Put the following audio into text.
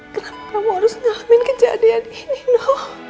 kenapa kamu harus ngalamin kejadian ini noh